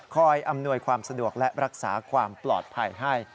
อำนวยความสะดวกและรักษาความปลอดภัยให้